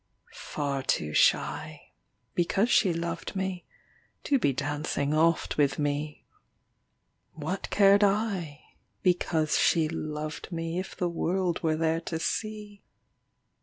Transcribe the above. Far too shy, because she loved me, To be dancing oft with me; What cared I, because she loved me, If the world were there to see?